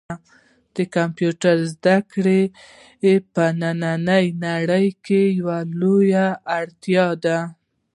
د کمپیوټر زده کړه په نننۍ نړۍ کې یوه لویه اړتیا ده.